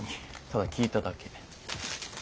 ただ聞いただけ。